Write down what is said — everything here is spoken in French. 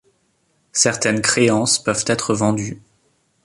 Certaines créances peuvent être vendues.